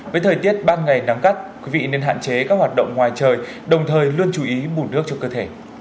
với thời tiết ban ngày nắng gắt quý vị nên hạn chế các hoạt động ngoài trời đồng thời luôn chú ý bùn nước cho cơ thể